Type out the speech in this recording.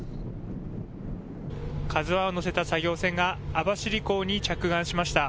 ＫＡＺＵＩを載せた作業船が、網走港に着岸しました。